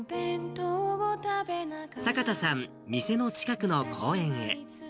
坂田さん、店の近くの公園へ。